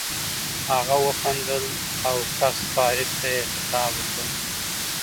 هغه وخندل او ګس فارویک ته یې خطاب وکړ